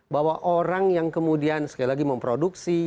bahwa orang yang kemudian sekali lagi memproduksi